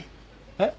えっ？